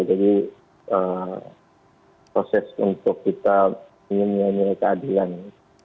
jadi proses untuk kita ingin nyamil keadilan ini